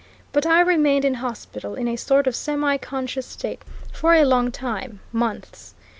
But I remained in hospital, in a sort of semiconscious state, for a long time months.